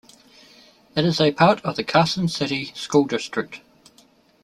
It is a part of the Carson City School District.